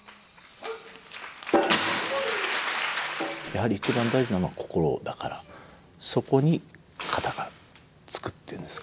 やはり一番大事なのは心だからそこに型がつくっていうんですかね。